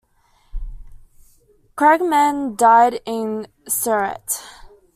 Kremegne died in Ceret.